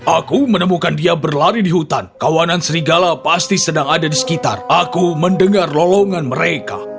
aku menemukan dia berlari di hutan kawanan serigala pasti sedang ada di sekitar aku mendengar lolongan mereka